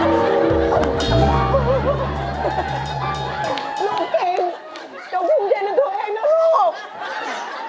เดี๋ยวกินเย็นตัวเองนะลูก